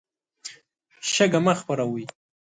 شګه مه خپروئ.